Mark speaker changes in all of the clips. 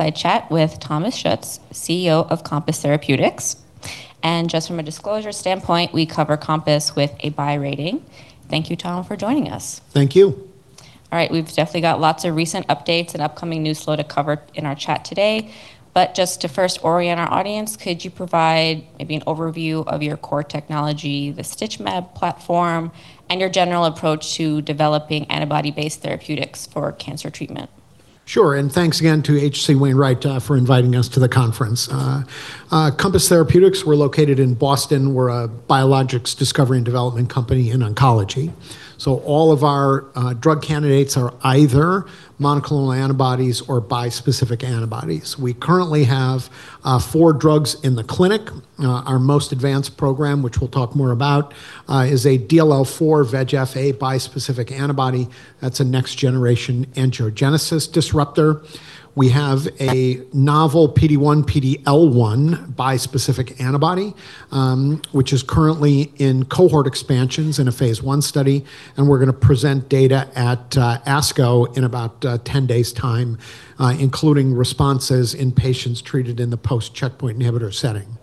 Speaker 1: I chat with Thomas Schuetz, CEO of Compass Therapeutics. Just from a disclosure standpoint, we cover Compass with a buy rating. Thank you, Tom, for joining us.
Speaker 2: Thank you.
Speaker 1: All right. We've definitely got lots of recent updates and upcoming news flow to cover in our chat today. Just to first orient our audience, could you provide maybe an overview of your core technology, the StitchMabs platform, and your general approach to developing antibody-based therapeutics for cancer treatment?
Speaker 2: Thanks again to H.C. Wainwright for inviting us to the conference. Compass Therapeutics, we're located in Boston. We're a biologics discovery and development company in oncology. All of our drug candidates are either monoclonal antibodies or bispecific antibodies. We currently have four drugs in the clinic. Our most advanced program, which we'll talk more about, is a DLL4 VEGF-A bispecific antibody. That's a next-generation angiogenesis disruptor. We have a novel PD-1/PD-L1 bispecific antibody, which is currently in cohort expansions in a phase I study, and we're gonna present data at ASCO in about 10 days' time, including responses in patients treated in the post-checkpoint inhibitor setting.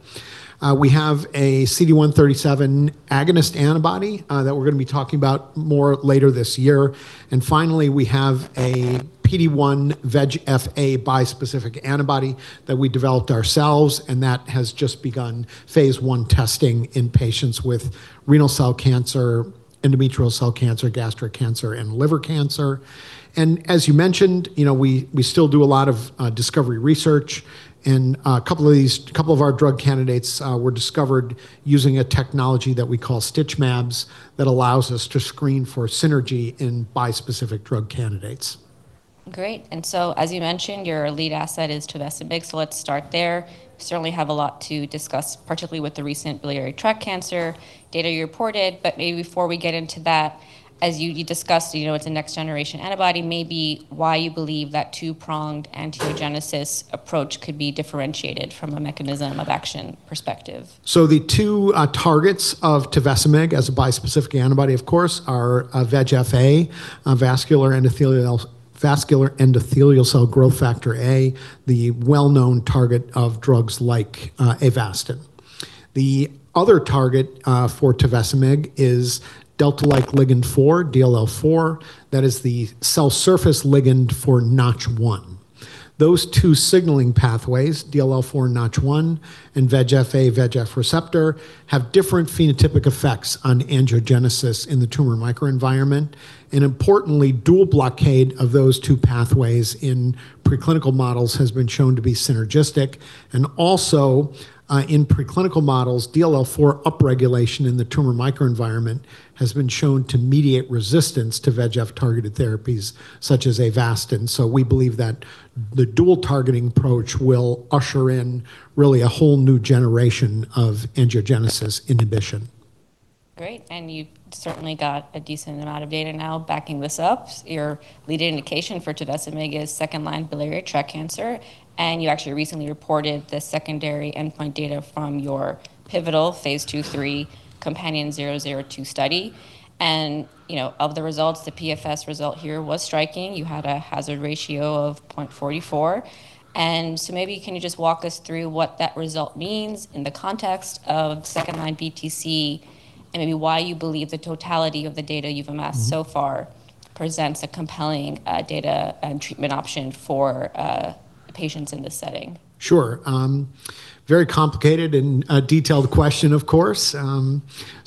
Speaker 2: We have a CD137 agonist antibody that we're gonna be talking about more later this year. Finally, we have a PD-1 VEGF-A bispecific antibody that we developed ourselves, and that has just begun Phase I testing in patients with renal cell cancer, endometrial cell cancer, gastric cancer, and liver cancer. As you mentioned, you know, we still do a lot of discovery research, and a couple of these, our drug candidates, were discovered using a technology that we call StitchMabs that allows us to screen for synergy in bispecific drug candidates.
Speaker 1: Great. As you mentioned, your lead asset is tovecimig, so let's start there. Certainly have a lot to discuss, particularly with the recent biliary tract cancer data you reported. Maybe before we get into that, as you discussed, you know, it's a next-generation antibody, maybe why you believe that two-pronged angiogenesis approach could be differentiated from a mechanism-of-action perspective.
Speaker 2: The two targets of tovecimig as a bispecific antibody, of course, are VEGF-A, vascular endothelial cell growth factor A, the well-known target of drugs like Avastin. The other target for tovecimig is delta-like ligand 4, DLL4. That is the cell surface ligand for Notch1. Those two signaling pathways, DLL4 and Notch1, and VEGF-A, VEGF receptor, have different phenotypic effects on angiogenesis in the tumor microenvironment. Importantly, dual blockade of those two pathways in preclinical models has been shown to be synergistic. Also, in preclinical models, DLL4 upregulation in the tumor microenvironment has been shown to mediate resistance to VEGF-targeted therapies such as Avastin. We believe that the dual targeting approach will usher in really a whole new generation of angiogenesis inhibition.
Speaker 1: Great, you've certainly got a decent amount of data now backing this up. Your lead indication for tovecimig is second-line biliary tract cancer, and you actually recently reported the secondary endpoint data from your pivotal phase II/III COMPANION-002 study. You know, of the results, the PFS result here was striking. You had a hazard ratio of 0.44. Maybe can you just walk us through what that result means in the context of second-line BTC, and maybe why you believe the totality of the data you've amassed so far presents a compelling data and treatment option for patients in this setting.
Speaker 2: Sure. Very complicated and detailed question, of course.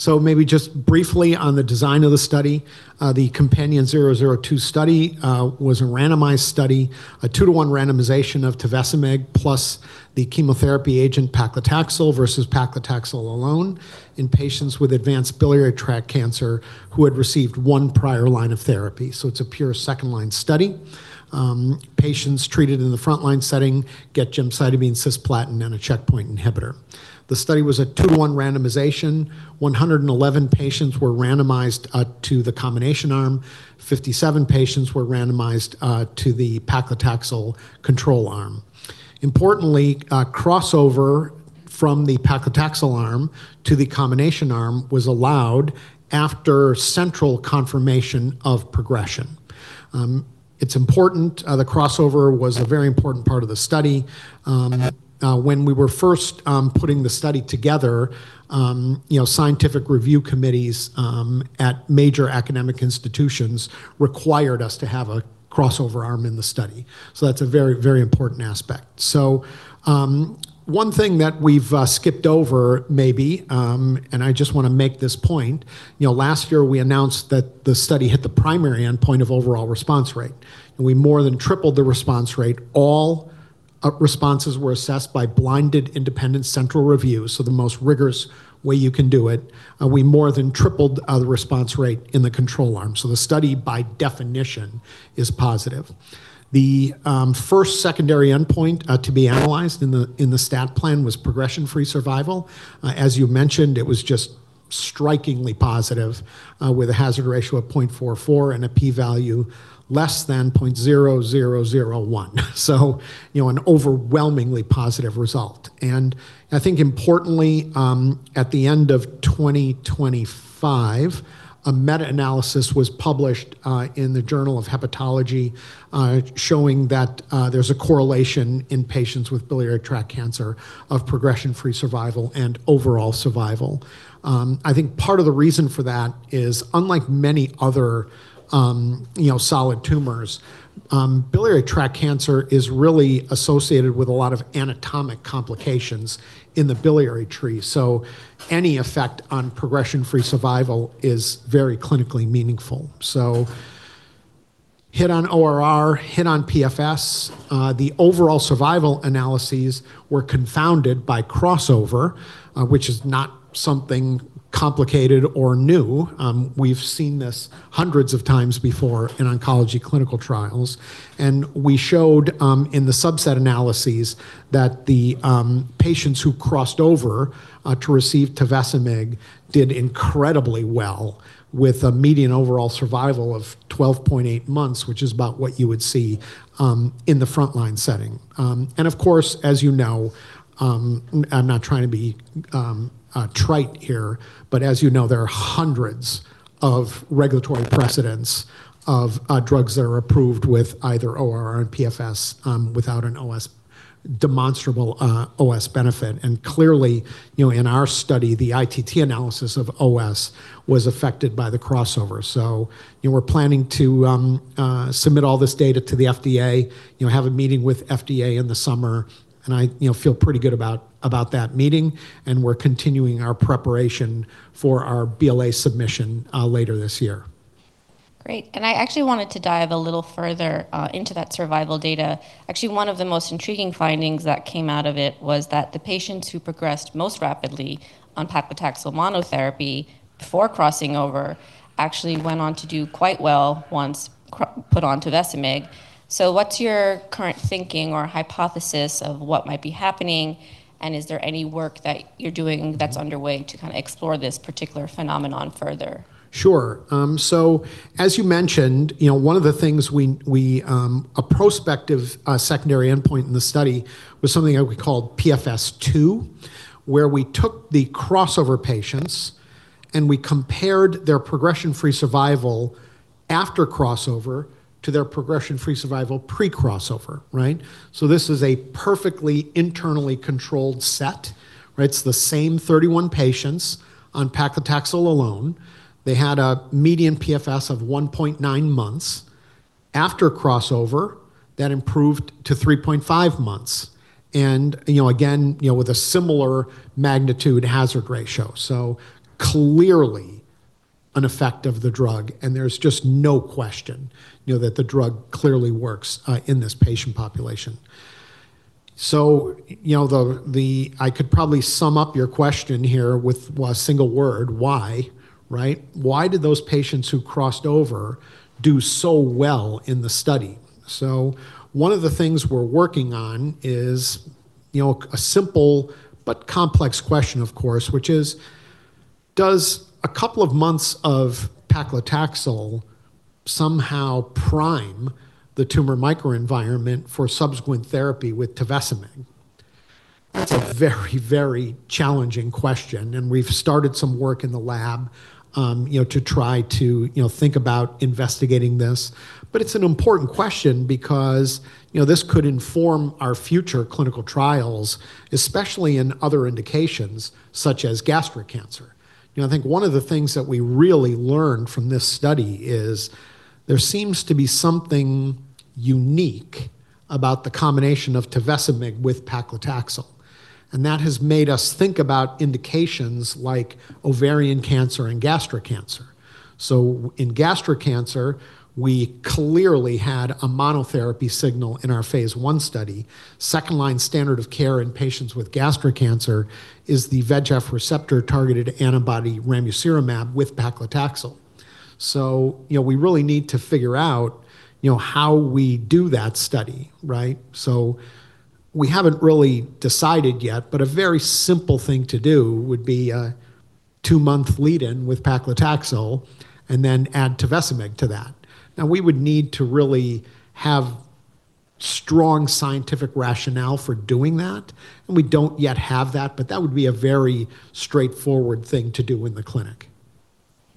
Speaker 2: Maybe just briefly on the design of the study. The COMPANION-002 study was a randomized study, a two-to-one randomization of tovecimig plus the chemotherapy agent paclitaxel versus paclitaxel alone in patients with advanced biliary tract cancer who had received one prior line of therapy. It's a pure second-line study. Patients treated in the front-line setting get gemcitabine, cisplatin, and a checkpoint inhibitor. The study was a two-to-one randomization. 111 patients were randomized to the combination arm. 57 patients were randomized to the paclitaxel control arm. Importantly, a crossover from the paclitaxel arm to the combination arm was allowed after central confirmation of progression. It's important, the crossover was a very important part of the study. When we were first putting the study together, you know, scientific review committees at major academic institutions required us to have a crossover arm in the study. That's a very, very important aspect. One thing that we've skipped over maybe, and I just wanna make this point, you know, last year we announced that the study hit the primary endpoint of overall response rate, and we more than tripled the response rate. All responses were assessed by blinded independent central review. The most rigorous way you can do it. We more than tripled the response rate in the control arm. The study by definition is positive. The first secondary endpoint to be analyzed in the stat plan was progression-free survival. As you mentioned, it was strikingly positive, with a hazard ratio of 0.44 and a P-value less than .0001. You know, an overwhelmingly positive result. I think importantly, at the end of 2025, a meta-analysis was published in the Journal of Hepatology, showing that there's a correlation in patients with biliary tract cancer of progression-free survival and overall survival. I think part of the reason for that is unlike many other, you know, solid tumors, biliary tract cancer is really associated with a lot of anatomic complications in the biliary tree. Any effect on progression-free survival is very clinically meaningful. Hit on ORR, hit on PFS. The overall survival analyses were confounded by crossover, which is not something complicated or new. We've seen this hundreds of times before in oncology clinical trials, and we showed, in the subset analyses that the patients who crossed over to receive tovecimig did incredibly well with a median overall survival of 12.8 months, which is about what you would see in the frontline setting. And of course, as you know, I'm not trying to be trite here, but as you know, there are hundreds of regulatory precedents of drugs that are approved with either ORR and PFS, without an OS demonstrable OS benefit. Clearly, you know, in our study, the ITT analysis of OS was affected by the crossover. You know, we're planning to submit all this data to the FDA, you know, have a meeting with FDA in the summer, and I, you know, feel pretty good about that meeting, and we're continuing our preparation for our BLA submission later this year.
Speaker 1: Great. I actually wanted to dive a little further into that survival data. Actually, one of the most intriguing findings that came out of it was that the patients who progressed most rapidly on paclitaxel monotherapy before crossing over actually went on to do quite well once put onto tovecimig. What's your current thinking or hypothesis of what might be happening, and is there any work that you're doing that's underway to kind of explore this particular phenomenon further?
Speaker 2: Sure. As you mentioned, you know, one of the things we, a prospective secondary endpoint in the study was something that we called PFS-2, where we took the crossover patients, and we compared their progression-free survival after crossover to their progression-free survival pre-crossover, right? This is a perfectly internally controlled set, right? It's the same 31 patients on paclitaxel alone. They had a median PFS of 1.9 months. After crossover, that improved to 3.5 months and, you know, again, you know, with a similar magnitude hazard ratio. Clearly an effect of the drug, and there's just no question, you know, that the drug clearly works in this patient population. You know, I could probably sum up your question here with one single word, why, right? Why did those patients who crossed over do so well in the study? One of the things we're working on is, you know, a simple but complex question, of course, which is, does a couple of months of paclitaxel somehow prime the tumor microenvironment for subsequent therapy with tovecimig? That's a very, very challenging question, and we've started some work in the lab, you know, to try to, you know, think about investigating this. It's an important question because, you know, this could inform our future clinical trials, especially in other indications such as gastric cancer. You know, I think one of the things that we really learned from this study is there seems to be something unique about the combination of tovecimig with paclitaxel, and that has made us think about indications like ovarian cancer and gastric cancer. In gastric cancer, we clearly had a monotherapy signal in our phase I study. Second-line standard of care in patients with gastric cancer is the VEGF receptor-targeted antibody ramucirumab with paclitaxel. You know, we really need to figure out, you know, how we do that study, right? We haven't really decided yet, but a very simple thing to do would be a two-month lead-in with paclitaxel and then add tovecimig to that. We would need to really have strong scientific rationale for doing that, and we don't yet have that, but that would be a very straightforward thing to do in the clinic.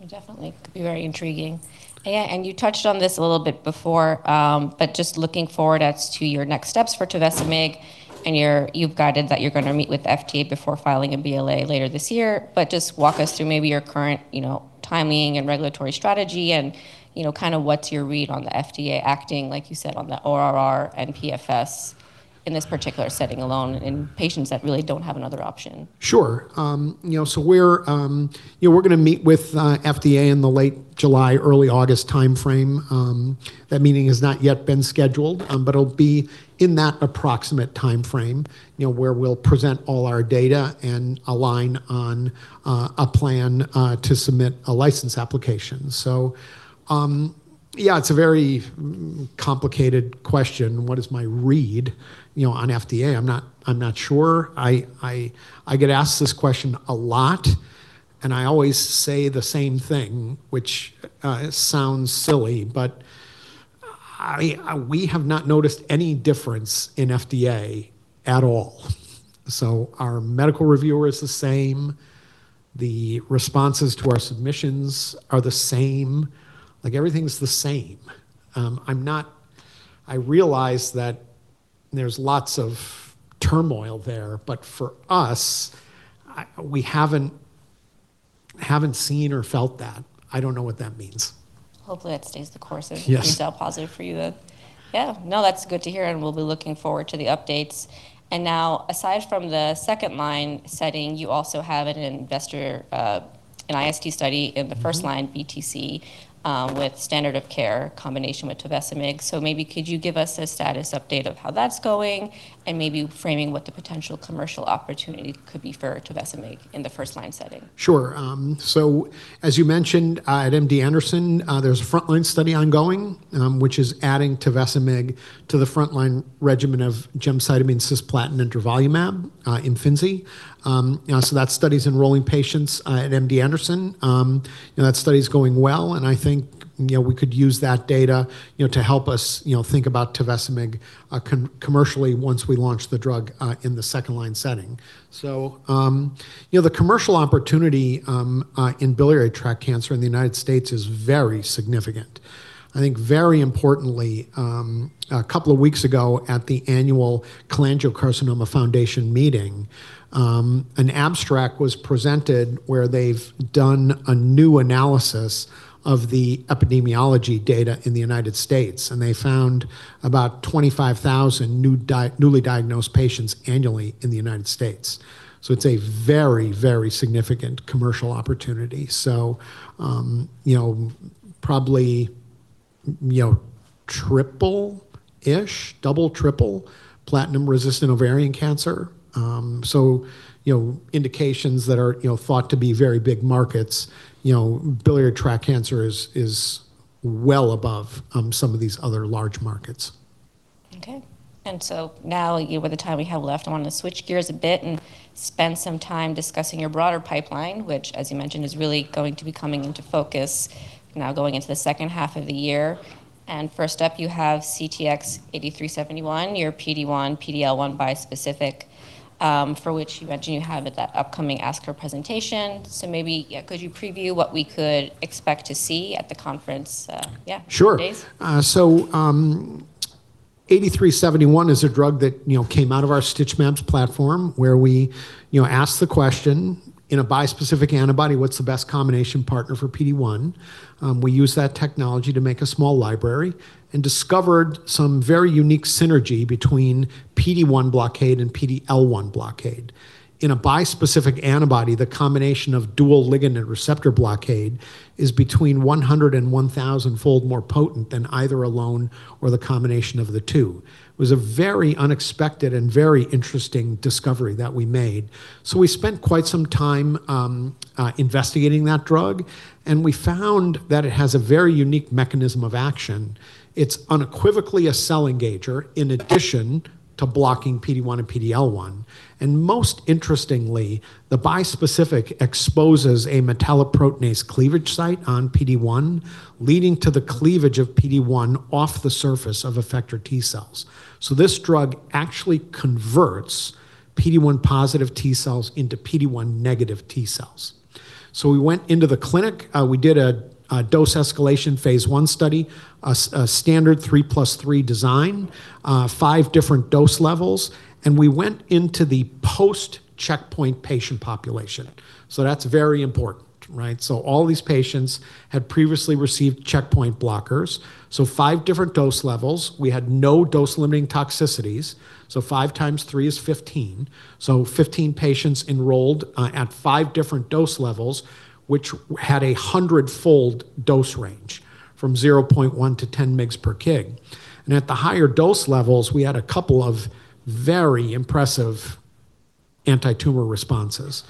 Speaker 1: It definitely could be very intriguing. You touched on this a little bit before, but just looking forward as to your next steps for tovecimig and you've guided that you're gonna meet with FDA before filing a BLA later this year. Just walk us through maybe your current, you know, timing and regulatory strategy and, you know, kind of what's your read on the FDA acting, like you said, on the ORR and PFS in this particular setting alone in patients that really don't have another option.
Speaker 2: Sure. We're gonna meet with FDA in the late July, early August timeframe. That meeting has not yet been scheduled, it'll be in that approximate timeframe, where we'll present all our data and align on a plan to submit a license application. Yeah, it's a very complicated question, what is my read on FDA? I'm not, I'm not sure. I get asked this question a lot, and I always say the same thing, which sounds silly, but we have not noticed any difference in FDA at all. Our medical reviewer is the same, the responses to our submissions are the same. Like, everything's the same. I realize that there's lots of turmoil there, for us, we haven't seen or felt that. I don't know what that means.
Speaker 1: Hopefully that stays-
Speaker 2: Yes.
Speaker 1: -being positive for you then. Yeah. No, that's good to hear, and we'll be looking forward to the updates. Now, aside from the second line setting, you also have an investigator, an IST study in the first line. BTC, with standard of care combination with tovecimig. Maybe could you give us a status update of how that's going, and maybe framing what the potential commercial opportunity could be for tovecimig in the first line setting?
Speaker 2: Sure. As you mentioned, at MD Anderson, there's a frontline study ongoing, which is adding tovecimig to the frontline regimen of gemcitabine, cisplatin, and durvalumab, IMFINZI. That study's enrolling patients at MD Anderson. And that study's going well, and I think, you know, we could use that data, you know, to help us, you know, think about tovecimig commercially once we launch the drug in the second line setting. You know, the commercial opportunity in biliary tract cancer in the United States is very significant. I think very importantly, a couple of weeks ago at the annual Cholangiocarcinoma Foundation meeting, an abstract was presented where they've done a new analysis of the epidemiology data in the U.S., and they found about 25,000 newly diagnosed patients annually in the U.S. It's a very, very significant commercial opportunity. You know, probably, you know, triple-ish, double, triple platinum-resistant ovarian cancer. You know, indications that are, you know, thought to be very big markets, you know, biliary tract cancer is well above, some of these other large markets.
Speaker 1: Okay. Now, you know, with the time we have left, I want to switch gears a bit and spend some time discussing your broader pipeline, which as you mentioned, is really going to be coming into focus now going into the second half of the year. First up, you have CTX-8371, your PD-1/PD-L1 bispecific, for which you mentioned you have at that upcoming ASCO presentation. Maybe, yeah, could you preview what we could expect to see at the conference, yeah, in a few days?
Speaker 2: Sure. CTX-8371 is a drug that, you know, came out of our StitchMabs platform where we, you know, ask the question, in a bispecific antibody, what's the best combination partner for PD-1? We use that technology to make a small library and discovered some very unique synergy between PD-1 blockade and PD-L1 blockade. In a bispecific antibody, the combination of dual ligand and receptor blockade is between 100 and 1,000 fold more potent than either alone or the combination of the two. It was a very unexpected and very interesting discovery that we made. We spent quite some time investigating that drug, and we found that it has a very unique mechanism of action. It's unequivocally a cell engager in addition to blocking PD-1 and PD-L1. Most interestingly, the bispecific exposes a metalloproteinase cleavage site on PD-1, leading to the cleavage of PD-1 off the surface of effector T cells. This drug actually converts PD-1 positive T cells into PD-1 negative T cells. We went into the clinic, we did a dose escalation phase I study, a standard 3 + 3 design, five different dose levels, and we went into the post-checkpoint patient population. That's very important, right? All these patients had previously received checkpoint blockers, so five different dose levels. We had no dose limiting toxicities, so 5 x 3 is 15. 15 patients enrolled at 5fivedifferent dose levels, which had a 100-fold dose range from 0.1 mg/kg to 10 mg/kg. At the higher dose levels, we had a couple of very impressive antitumor responses.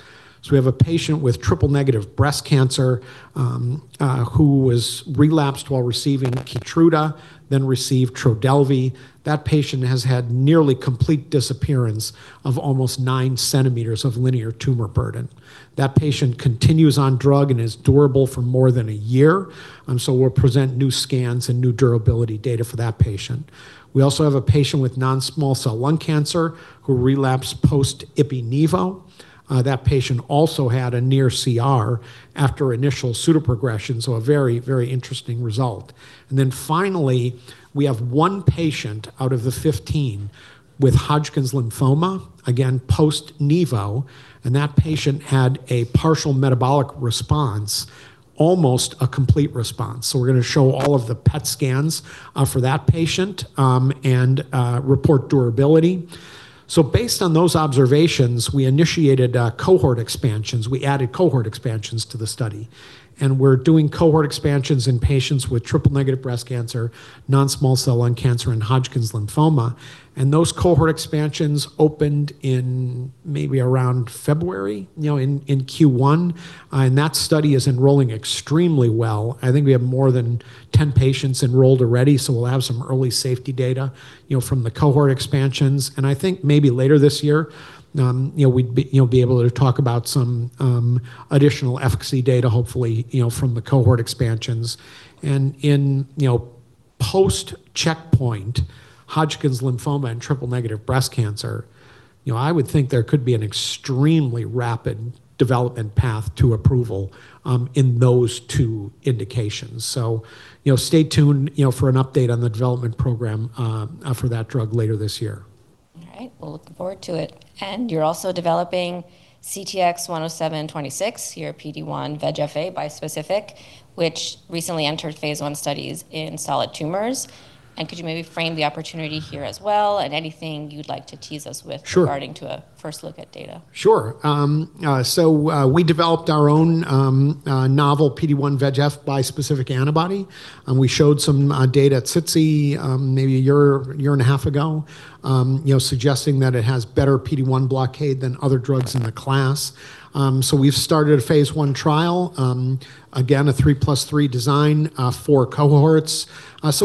Speaker 2: We have a patient with triple negative breast cancer who was relapsed while receiving KEYTRUDA, then received TRODELVY. That patient has had nearly complete disappearance of almost 9 cm of linear tumor burden. That patient continues on drug and is durable for more than one year, we'll present new scans and new durability data for that patient. We also have a patient with non-small cell lung cancer who relapsed post-ipi/nivo. That patient also had a near CR after initial pseudoprogression, a very, very interesting result. Finally, we have one patient out of the 15 with Hodgkin's lymphoma, again post-nivo, that patient had a partial metabolic response, almost a complete response. We're gonna show all of the PET scans for that patient, report durability. Based on those observations, we initiated cohort expansions. We added cohort expansions to the study, and we're doing cohort expansions in patients with triple negative breast cancer, non-small cell lung cancer, and Hodgkin lymphoma. Those cohort expansions opened in maybe around February, you know, in Q1. That study is enrolling extremely well. I think we have more than 10 patients enrolled already, so we'll have some early safety data, you know, from the cohort expansions. I think maybe later this year, you know, we'd be able to talk about some additional efficacy data, hopefully, you know, from the cohort expansions. In Post-checkpoint Hodgkin lymphoma and triple-negative breast cancer, you know, I would think there could be an extremely rapid development path to approval in those two indications. You know, stay tuned, you know, for an update on the development program for that drug later this year.
Speaker 1: All right. Well, looking forward to it. You're also developing CTX-10726, your PD-1 VEGF bispecific, which recently entered phase I studies in solid tumors. Could you maybe frame the opportunity here as well, and anything you'd like to tease us with-
Speaker 2: Sure.
Speaker 1: -regarding to a first look at data?
Speaker 2: Sure. We developed our own novel PD-1 VEGF bispecific antibody, and we showed some data at SITC, maybe a year, a year and a half ago, suggesting that it has better PD-1 blockade than other drugs in the class. We've started a phase I trial, again, a 3 + 3 design, four cohorts. It's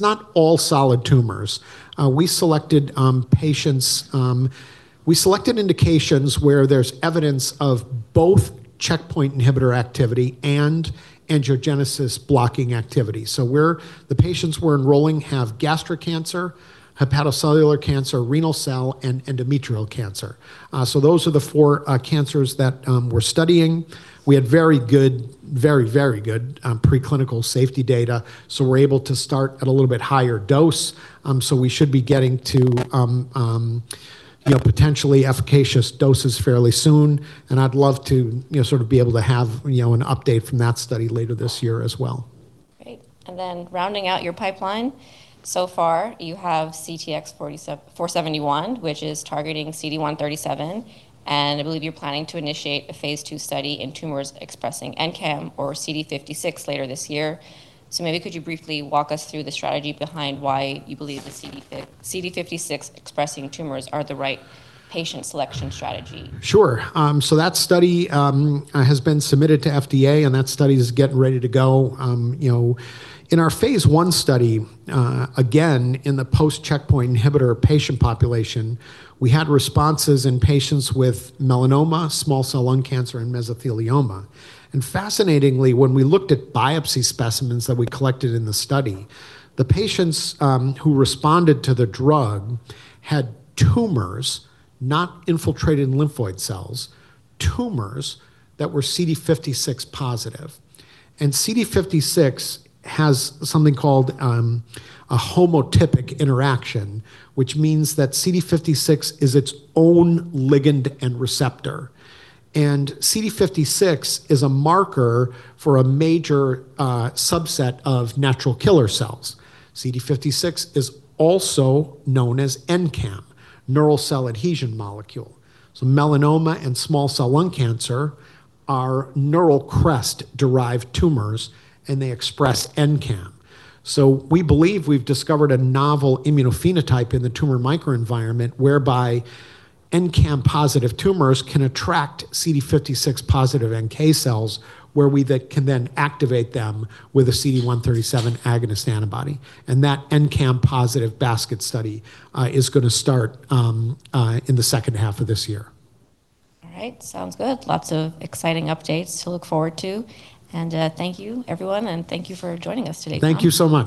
Speaker 2: not all solid tumors. We selected patients. We selected indications where there's evidence of both checkpoint inhibitor activity and angiogenesis blocking activity. The patients we're enrolling have gastric cancer, hepatocellular cancer, renal cell, and endometrial cancer. Those are the four cancers that we're studying. We had very, very good preclinical safety data, so we're able to start at a little bit higher dose. We should be getting to, you know, potentially efficacious doses fairly soon, and I'd love to, you know, sort of be able to have, you know, an update from that study later this year as well.
Speaker 1: Great. Rounding out your pipeline, you have CTX-471, which is targeting CD137, and I believe you're planning to initiate a Phase II study in tumors expressing NCAM or CD56 later this year. Maybe could you briefly walk us through the strategy behind why you believe the CD56-expressing tumors are the right patient selection strategy?
Speaker 2: Sure. That study has been submitted to FDA. That study is getting ready to go. You know, in our phase I study, again, in the post-checkpoint inhibitor patient population, we had responses in patients with melanoma, small cell lung cancer, and mesothelioma. Fascinatingly, when we looked at biopsy specimens that we collected in the study, the patients who responded to the drug had tumors, not infiltrated in lymphoid cells, tumors that were CD56-positive. CD56 has something called a homotypic interaction, which means that CD56 is its own ligand and receptor. CD56 is a marker for a major subset of natural killer cells. CD56 is also known as NCAM, neural cell adhesion molecule. Melanoma and small cell lung cancer are neural crest-derived tumors. They express NCAM. We believe we've discovered a novel immunophenotype in the tumor microenvironment whereby NCAM-positive tumors can attract CD56-positive NK cells, where we then can activate them with a CD137 agonist antibody. That NCAM-positive basket study is gonna start in the second half of this year.
Speaker 1: All right. Sounds good. Lots of exciting updates to look forward to. Thank you, everyone, and thank you for joining us today, Tom.
Speaker 2: Thank you so much.